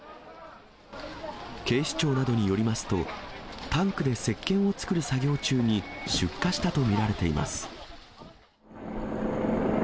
警視庁などによりますと、タンクでせっけんを作る作業中に出火したと見られています。